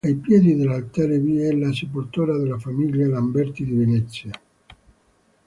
Ai piedi dell'altare vi è la sepoltura della famiglia Lamberti di Venezia.